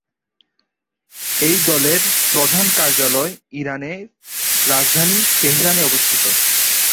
এই দলের প্রধান কার্যালয় ইরানের রাজধানী তেহরানে অবস্থিত।